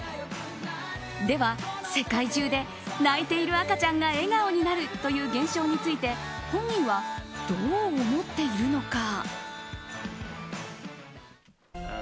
では世界中で泣いている赤ちゃんが笑顔になるという現象について本人はどう思っているのか。